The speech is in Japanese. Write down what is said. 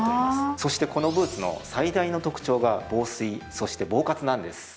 そしてこのブーツの最大の特徴が防水そして防滑なんです。